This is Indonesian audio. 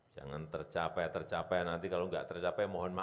jangan tercapai tercapai nanti kalau nggak tercapai mohon maaf